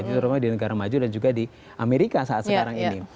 terutama di negara maju dan juga di amerika saat sekarang ini